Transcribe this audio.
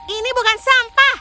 ini bukan sampah